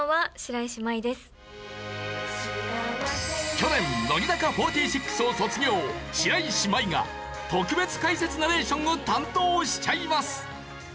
去年乃木坂４６を卒業白石麻衣が特別解説ナレーションを担当しちゃいます。